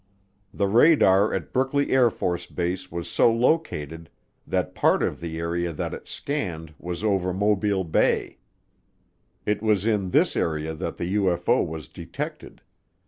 The radar at Brookley AFB was so located that part of the area that it scanned was over Mobile Bay. It was in this area that the UFO was detected.